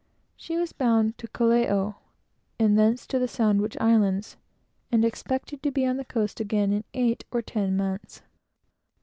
She was bound to Callao, and thence to the Sandwich Islands, and expected to be on the coast again in eight or ten months.